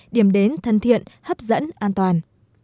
điểm đến thân thiện hấp dẫn an toàn